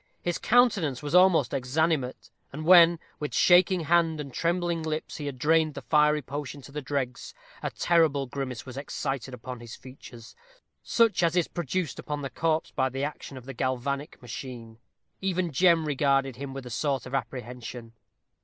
His countenance was almost exanimate; and when, with shaking hand and trembling lips, he had drained the fiery potion to the dregs, a terrible grimace was excited upon his features, such as is produced upon the corpse by the action of the galvanic machine. Even Jem regarded him with a sort of apprehension.